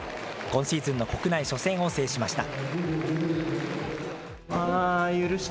今シーズンの国内初戦を制しました。